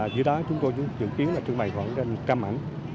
giữa đó chúng tôi dự kiến trưng bày khoảng một trăm linh ảnh